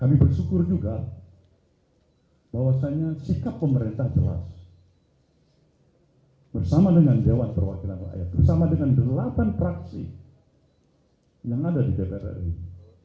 kami bersyukur juga bahwasannya sikap pemerintah jelas bersama dengan dewan perwakilan rakyat bersama dengan delapan fraksi yang ada di dpr ri